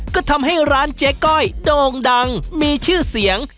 ก็ทำให้ร้านเจ๊ก้อยโด่งดังมีชื่อเสียง